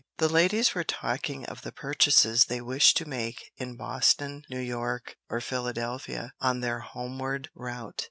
The ladies were talking of the purchases they wished to make in Boston, New York or Philadelphia, on their homeward route.